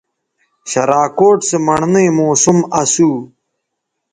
شراکوٹ سو مڑنئ موسم اسُو